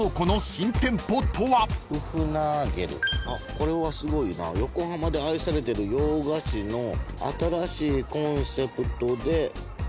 これはすごいな横浜で愛されてる洋菓子の新しいコンセプトで。